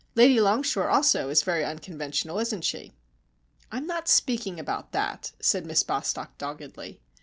"Lady Longshore also is very unconventional, isn't she?" "I'm not speaking about that," said Miss Bostock, doggedly.